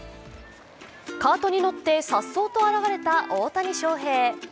カートに乗ってさっそうと現れた大谷翔平。